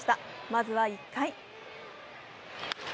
まずは１回。